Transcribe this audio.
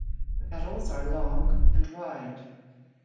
The petals are long and wide.